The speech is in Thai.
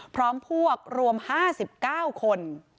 พร้อมพวกรวม๕๙คน